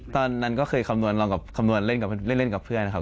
ตอนนั้นก็เคยคำนวณเล่นกับเพื่อนครับ